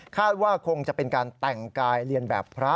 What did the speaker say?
ว่าคงจะเป็นการแต่งกายเรียนแบบพระ